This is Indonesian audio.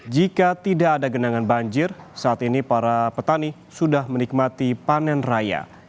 jika tidak ada genangan banjir saat ini para petani sudah menikmati panen raya